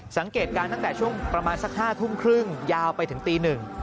สังเกตฯกันตั้งแต่ช่วง๕๓๐ยาวไปถึงตี้หนึ่ง